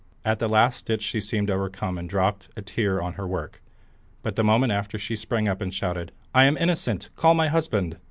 At the last stitch she seemed overcome and dropped a tear on her work, but the moment after she sprang up, and shouted out, "I am innocent; call my husband!"